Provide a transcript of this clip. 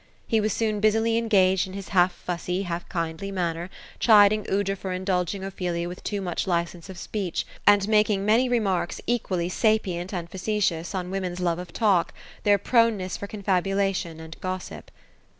He was soon busily engaged, in his half fussy, half kindly manner, chiding Aoudra for indulging Ophelia with too much li cence of speech ; and making many remarks equally sapient and face tious, on women's love of talk, their proneness for confabulation and gossip.